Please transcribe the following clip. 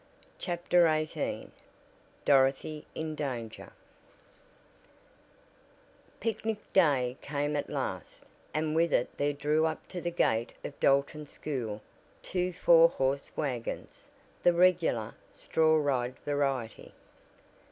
CHAPTER XVIII DOROTHY IN DANGER Picnic day came at last, and with it there drew up to the gate of Dalton School two four horse wagons, the regular "straw ride" variety.